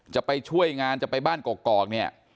จะไปช่วยงานจะไปบ้านกอกเนี่ย